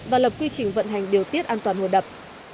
và lập quy trình vận hành điều tiết an toàn hồ đập